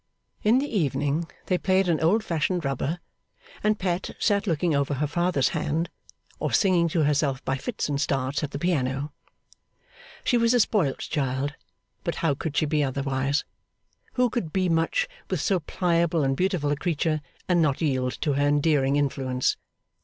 In the evening they played an old fashioned rubber; and Pet sat looking over her father's hand, or singing to herself by fits and starts at the piano. She was a spoilt child; but how could she be otherwise? Who could be much with so pliable and beautiful a creature, and not yield to her endearing influence?